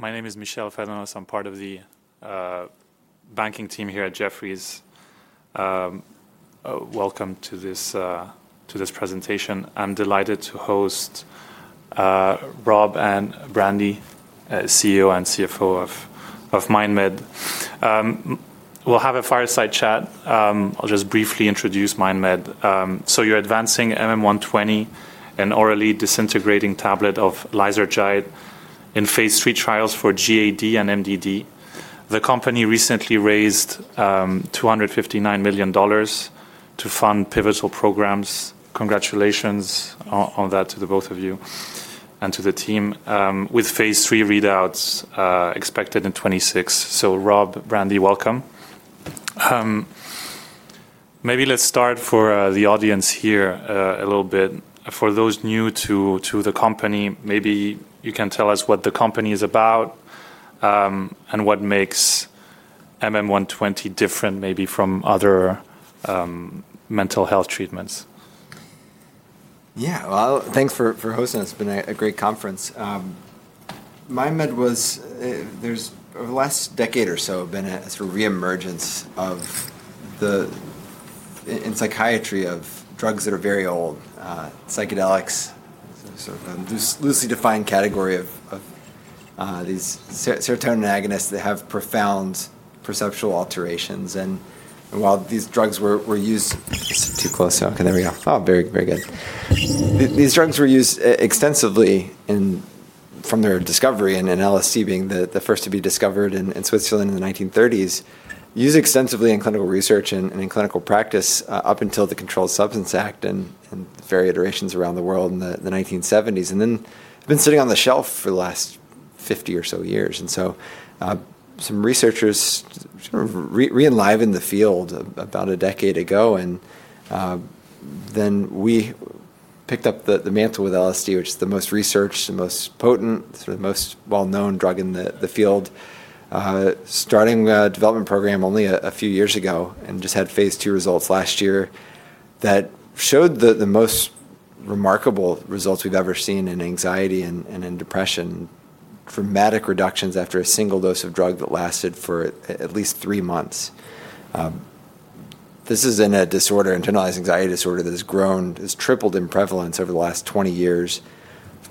My name is Michel Fernandez. I'm part of the banking team here at Jefferies. Welcome to this presentation. I'm delighted to host Rob and Brandi, CEO and CFO of MindMed. We'll have a fireside chat. I'll just briefly introduce MindMed. So you're advancing MM120, an orally disintegrating tablet of lysergide in phase III trials for GAD and MDD. The company recently raised $259 million to fund pivotal programs. Congratulations on that to the both of you and to the team, with phase III readouts expected in 2026. Rob, Brandi, welcome. Maybe let's start for the audience here a little bit. For those new to the company, maybe you can tell us what the company is about, and what makes MM120 different maybe from other mental health treatments. Yeah, thanks for hosting. It's been a great conference. MindMed was, there's over the last decade or so been a sort of reemergence in psychiatry of drugs that are very old, psychedelics, sort of a loosely defined category of these serotonin agonists that have profound perceptual alterations. While these drugs were used, extensively from their discovery and LSD being the first to be discovered in Switzerland in the 1930s, used extensively in clinical research and in clinical practice, up until the Controlled Substances Act and various iterations around the world in the 1970s. They've been sitting on the shelf for the last 50 or so years. Some researchers sort of re-enlivened the field about a decade ago. Then we picked up the mantle with LSD, which is the most researched, the most potent, sort of the most well-known drug in the field, starting a development program only a few years ago and just had phase II results last year that showed the most remarkable results we have ever seen in anxiety and in depression, dramatic reductions after a single dose of drug that lasted for at least three months. This is in a disorder, internalized anxiety disorder, that has grown, has tripled in prevalence over the last 20 years.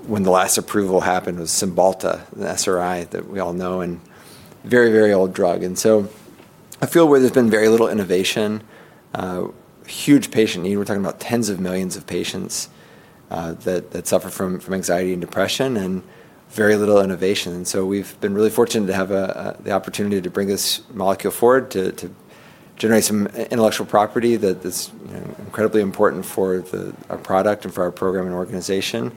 The last approval happened with Cymbalta, the SNRI that we all know, and very, very old drug. I feel where there has been very little innovation, huge patient need. We're talking about tens of millions of patients that suffer from anxiety and depression and very little innovation. We've been really fortunate to have the opportunity to bring this molecule forward to generate some intellectual property that is, you know, incredibly important for our product and for our program and organization.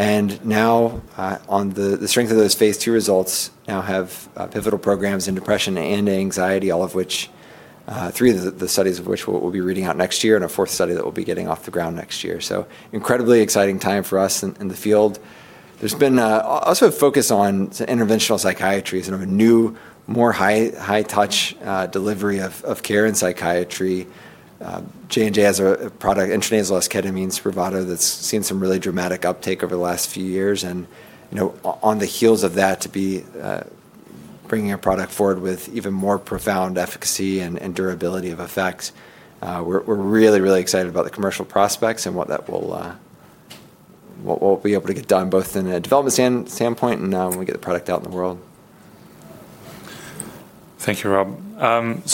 Now, on the strength of those phase II results, we have pivotal programs in depression and anxiety, all of which, three of the studies of which we'll be reading out next year and a fourth study that we'll be getting off the ground next year. Incredibly exciting time for us in the field. There's been also a focus on interventional psychiatry and a new, more high-touch delivery of care in psychiatry. J&J has a product, Intranasal Esketamine, that's seen some really dramatic uptake over the last few years. You know, on the heels of that, to be bringing a product forward with even more profound efficacy and durability of effects, we're really, really excited about the commercial prospects and what that will, what we'll be able to get done both in a development standpoint and when we get the product out in the world. Thank you, Rob.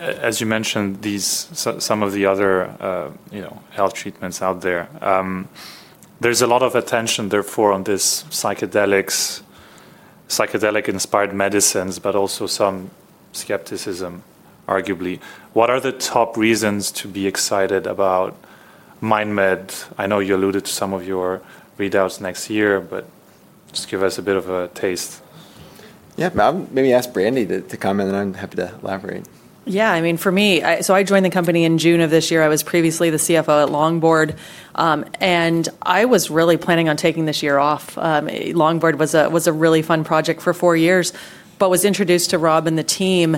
As you mentioned, some of the other, you know, health treatments out there, there's a lot of attention therefore on these psychedelics, psychedelic-inspired medicines, but also some skepticism, arguably. What are the top reasons to be excited about MindMed? I know you alluded to some of your readouts next year, but just give us a bit of a taste. Yeah, I'll maybe ask Brandi to comment, and I'm happy to elaborate. Yeah, I mean, for me, I, so I joined the company in June of this year. I was previously the CFO at Longboard. I was really planning on taking this year off. Longboard was a, was a really fun project for four years, but was introduced to Rob and the team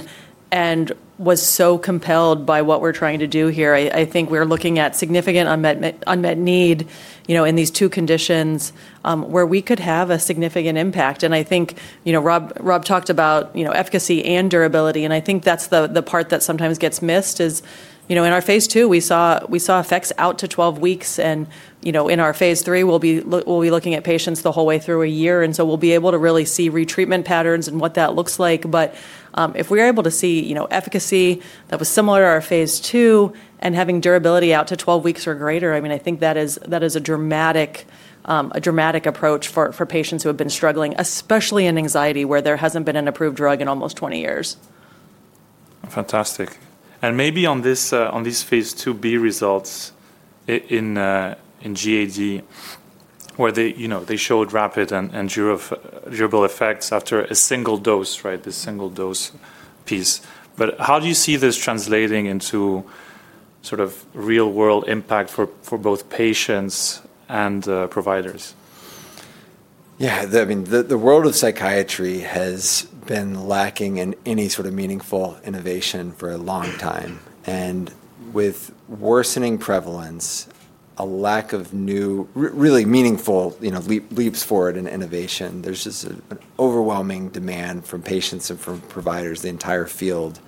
and was so compelled by what we're trying to do here. I, I think we're looking at significant unmet need, you know, in these two conditions, where we could have a significant impact. I think, you know, Rob, Rob talked about, you know, efficacy and durability. I think that's the part that sometimes gets missed is, you know, in our phase II, we saw, we saw effects out to 12 weeks. In our phase III, we'll be looking at patients the whole way through a year. We will be able to really see retreatment patterns and what that looks like. If we are able to see, you know, efficacy that was similar to our phase II and having durability out to 12 weeks or greater, I mean, I think that is a dramatic approach for patients who have been struggling, especially in anxiety where there has not been an approved drug in almost 20 years. Fantastic. Maybe on phase II-b results in GAD, where they showed rapid and durable effects after a single dose, right? The single dose piece. How do you see this translating into sort of real-world impact for both patients and providers? Yeah, I mean, the world of psychiatry has been lacking in any sort of meaningful innovation for a long time. With worsening prevalence, a lack of new, really meaningful, you know, leaps forward in innovation, there is just an overwhelming demand from patients and from providers, the entire field,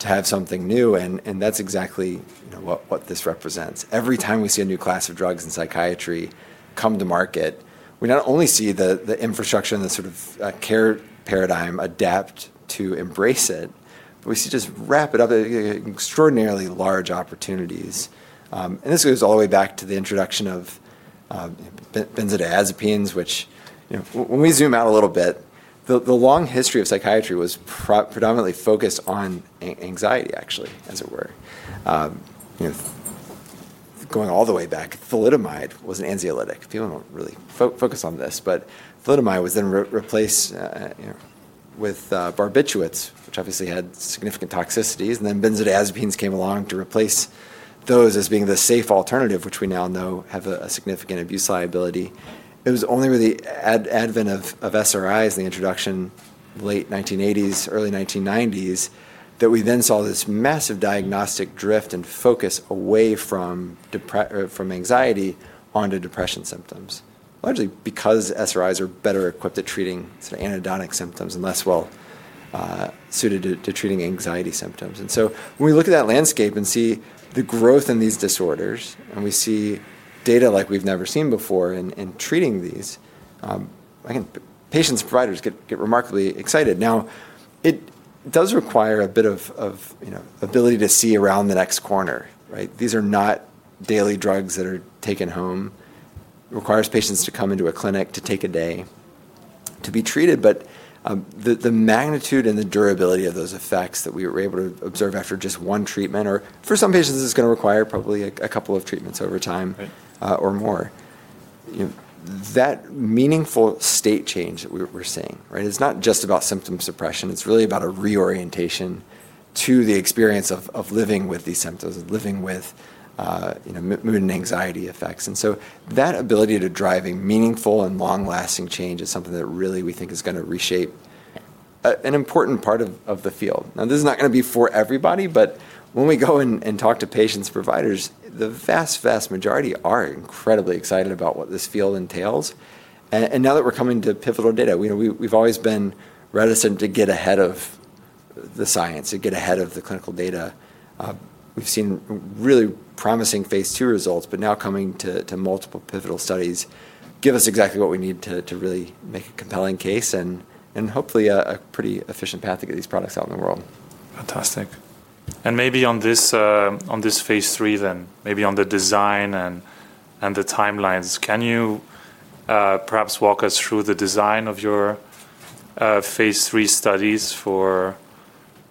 to have something new. That is exactly, you know, what this represents. Every time we see a new class of drugs in psychiatry come to market, we not only see the infrastructure and the sort of care paradigm adapt to embrace it, but we see just rapid other extraordinarily large opportunities. This goes all the way back to the introduction of [benzodiazepines], which, you know, when we zoom out a little bit, the long history of psychiatry was predominantly focused on anxiety, actually, as it were. You know, going all the way back, thalidomide was an anxiolytic. People do not really focus on this, but thalidomide was then replaced, you know, with barbiturates, which obviously had significant toxicities. Then benzodiazepines came along to replace those as being the safe alternative, which we now know have a significant abuse liability. It was only with the advent of SNRIs, the introduction late 1980s, early 1990s, that we then saw this massive diagnostic drift and focus away from anxiety onto depression symptoms, largely because SNRIs are better equipped at treating sort of anhedonic symptoms and less well suited to treating anxiety symptoms. When we look at that landscape and see the growth in these disorders and we see data like we have never seen before in treating these, again, patients and providers get remarkably excited. Now, it does require a bit of, you know, ability to see around the next corner, right? These are not daily drugs that are taken home. It requires patients to come into a clinic to take a day to be treated. The magnitude and the durability of those effects that we were able to observe after just one treatment, or for some patients, it's gonna require probably a couple of treatments over time. Right. or more. You know, that meaningful state change that we're seeing, right, it's not just about symptom suppression. It's really about a reorientation to the experience of living with these symptoms and living with, you know, mood and anxiety effects. That ability to drive a meaningful and long-lasting change is something that really we think is gonna reshape an important part of the field. This is not gonna be for everybody, but when we go and talk to patients, providers, the vast, vast majority are incredibly excited about what this field entails. Now that we're coming to pivotal data, you know, we've always been reticent to get ahead of the science, to get ahead of the clinical data. We've seen really promising phase II results, but now coming to multiple pivotal studies gives us exactly what we need to really make a compelling case and hopefully a pretty efficient path to get these products out in the world. Fantastic. Maybe on this phase III then, maybe on the design and the timelines, can you perhaps walk us through the design of your phase III studies for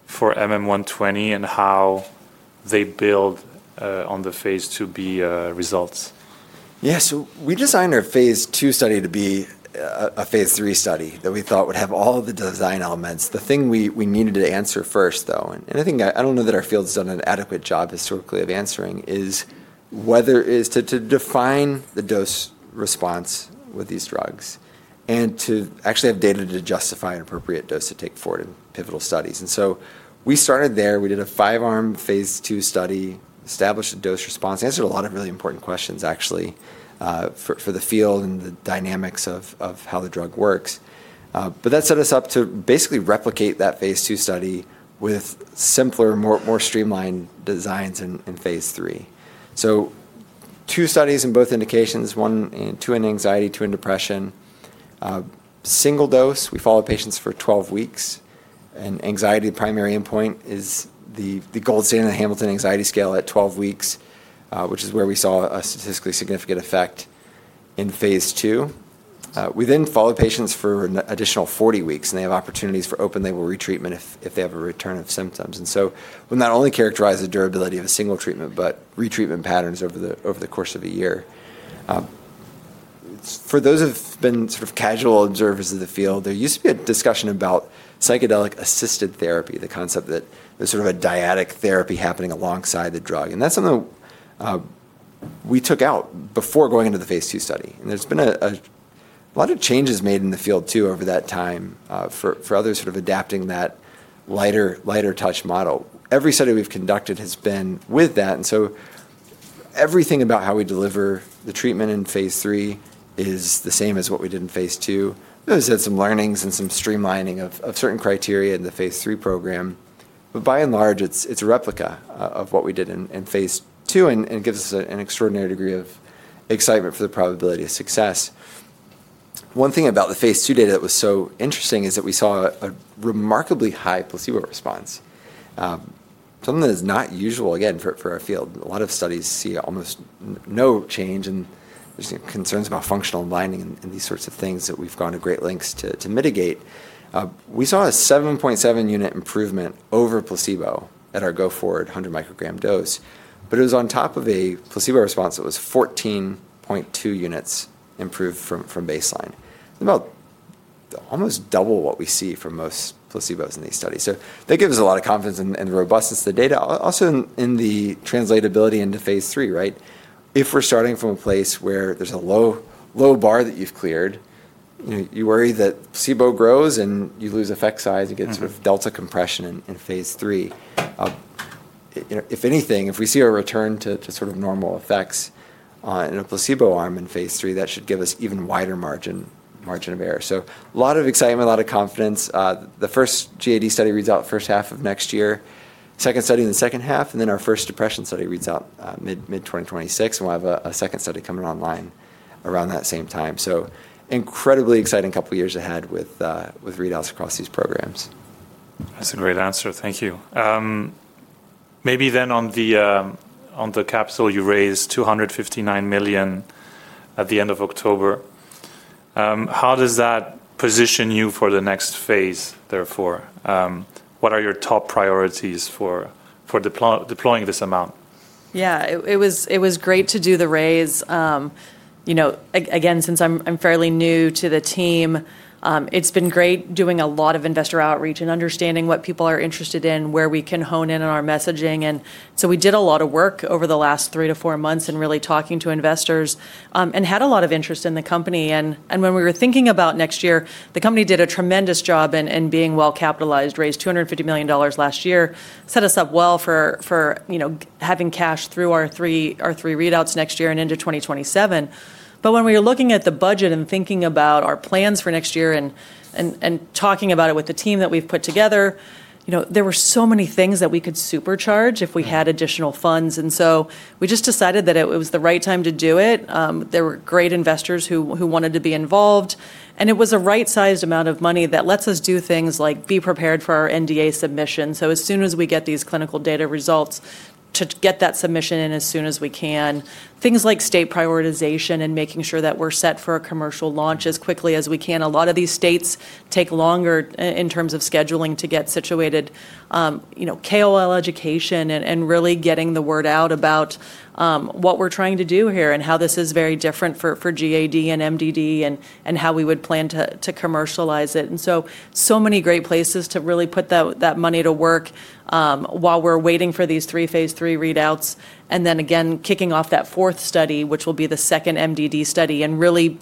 MM120 and how they build on phase II-b results? Yeah, so we designed our phase II study to be a phase III study that we thought would have all the design elements. The thing we needed to answer first, though, and I think I, I do not know that our field's done an adequate job historically of answering, is whether it is to define the dose response with these drugs and to actually have data to justify an appropriate dose to take forward in pivotal studies. We started there. We did a five-arm phase II study, established a dose response, answered a lot of really important questions, actually, for the field and the dynamics of how the drug works. That set us up to basically replicate that phase II study with simpler, more streamlined designs in phase III. Two studies in both indications, one and two in anxiety, two in depression. Single dose, we follow patients for 12 weeks. In anxiety, the primary endpoint is the gold standard of the Hamilton Anxiety Scale at 12 weeks, which is where we saw a statistically significant effect in phase II. We then follow patients for an additional 40 weeks, and they have opportunities for open label retreatment if they have a return of symptoms. We will not only characterize the durability of a single treatment, but retreatment patterns over the course of a year. For those who have been sort of casual observers of the field, there used to be a discussion about psychedelic-assisted therapy, the concept that there is sort of a dyadic therapy happening alongside the drug. That is something we took out before going into the phase II study. There's been a lot of changes made in the field too over that time, for others sort of adapting that lighter, lighter touch model. Every study we've conducted has been with that. Everything about how we deliver the treatment in phase III is the same as what we did in phase II. There's been some learnings and some streamlining of certain criteria in the phase III program. By and large, it's a replica of what we did in phase II and gives us an extraordinary degree of excitement for the probability of success. One thing about the phase II data that was so interesting is that we saw a remarkably high placebo response, something that is not usual, again, for our field. A lot of studies see almost no change in, you know, concerns about functional lining and these sorts of things that we've gone to great lengths to mitigate. We saw a 7.7-unit improvement over placebo at our go-forward 100-microgram dose, but it was on top of a placebo response that was 14.2 units improved from baseline. It's about almost double what we see for most placebos in these studies. That gives us a lot of confidence in the robustness of the data. Also, in the translatability into phase III, right? If we're starting from a place where there's a low bar that you've cleared, you know, you worry that placebo grows and you lose effect size and get sort of delta compression in phase III. You know, if anything, if we see a return to, to sort of normal effects, in a placebo arm in phase III, that should give us even wider margin, margin of error. A lot of excitement, a lot of confidence. The first GAD study reads out first half of next year, second study in the second half, and then our first depression study reads out, mid, mid-2026, and we'll have a, a second study coming online around that same time. Incredibly exciting couple of years ahead with, with readouts across these programs. That's a great answer. Thank you. Maybe then on the, on the capsule, you raised $259 million at the end of October. How does that position you for the next phase, therefore? What are your top priorities for deploying this amount? Yeah, it was great to do the raise. You know, again, since I'm fairly new to the team, it's been great doing a lot of investor outreach and understanding what people are interested in, where we can hone in on our messaging. We did a lot of work over the last three to four months in really talking to investors, and had a lot of interest in the company. When we were thinking about next year, the company did a tremendous job in being well-capitalized, raised $250 million last year, set us up well for, you know, having cash through our three readouts next year and into 2027. When we were looking at the budget and thinking about our plans for next year and talking about it with the team that we've put together, you know, there were so many things that we could supercharge if we had additional funds. We just decided that it was the right time to do it. There were great investors who wanted to be involved. It was a right-sized amount of money that lets us do things like be prepared for our NDA submission. As soon as we get these clinical data results, to get that submission in as soon as we can, things like state prioritization and making sure that we're set for a commercial launch as quickly as we can. A lot of these states take longer, in terms of scheduling to get situated, you know, KOL education and really getting the word out about what we're trying to do here and how this is very different for GAD and MDD and how we would plan to commercialize it. There are so many great places to really put that money to work, while we're waiting for these three phase III readouts. Then again, kicking off that fourth study, which will be the second MDD study, and really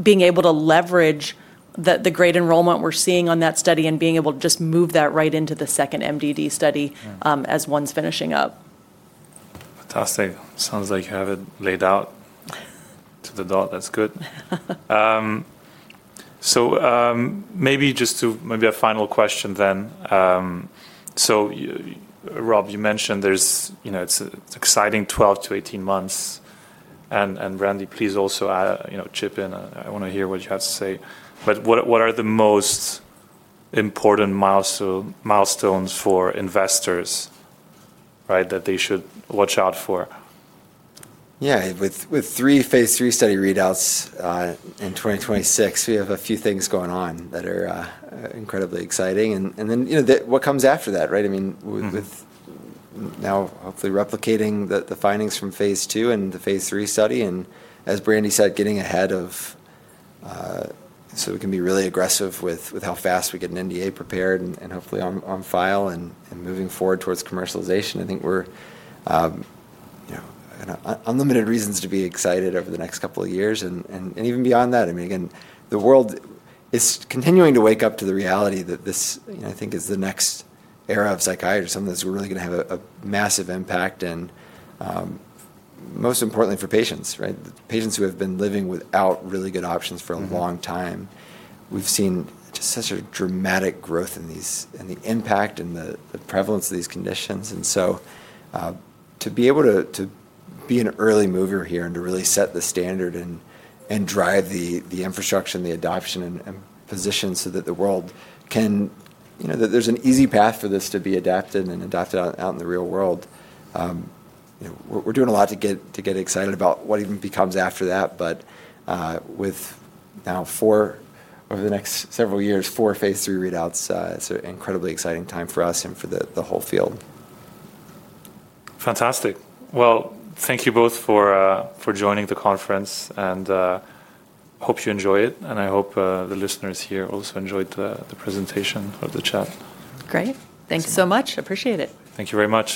being able to leverage the great enrollment we're seeing on that study and being able to just move that right into the second MDD study, as one's finishing up. Fantastic. Sounds like you have it laid out to the dot. That's good. Maybe just to, maybe a final question then. You, Rob, you mentioned there's, you know, it's a, it's exciting 12-18 months. And, and Brandi, please also, you know, chip in. I, I wanna hear what you have to say. What, what are the most important milestone, milestones for investors, right, that they should watch out for? Yeah, with three phase III study readouts in 2026, we have a few things going on that are incredibly exciting. And then, you know, what comes after that, right? I mean, with now hopefully replicating the findings from phase II and the phase III study and, as Brandi said, getting ahead of, so we can be really aggressive with how fast we get an NDA prepared and hopefully on file and moving forward towards commercialization. I think we're, you know, unlimited reasons to be excited over the next couple of years. And even beyond that, I mean, again, the world is continuing to wake up to the reality that this, you know, I think is the next era of psychiatrist, something that's really gonna have a massive impact and, most importantly for patients, right? The patients who have been living without really good options for a long time. We've seen just such a dramatic growth in these, in the impact and the, the prevalence of these conditions. To be able to be an early mover here and to really set the standard and drive the infrastructure, the adoption and position so that the world can, you know, that there's an easy path for this to be adapted and adopted out in the real world. You know, we're doing a lot to get excited about what even becomes after that. With now four over the next several years, four phase III readouts, it's an incredibly exciting time for us and for the whole field. Fantastic. Thank you both for joining the conference, and hope you enjoy it. I hope the listeners here also enjoyed the presentation or the chat. Great. Thank you so much. Appreciate it. Thank you very much.